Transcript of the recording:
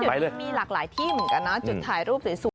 เดี๋ยวนี้มีหลากหลายที่เหมือนกันนะจุดถ่ายรูปสวย